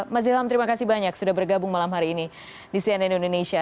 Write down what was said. mas ilham terima kasih banyak sudah bergabung malam hari ini di cnn indonesia